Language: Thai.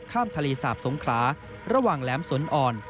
ข้ามทะเลสาบสงขลาระหว่างแหลมสนอ่อน